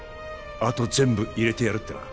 「あと全部入れてやる」ってな